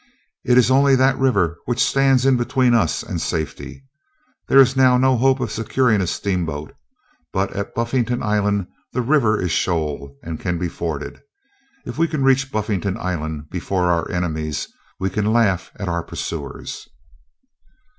It is only that river which stands in between us and safety. There is now no hope of securing a steamboat. But at Buffington Island the river is shoal, and can be forded. If we can reach Buffington Island before our enemies, we can laugh at our pursuers."